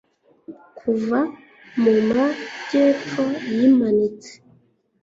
kuva mu majyepfo yimanitse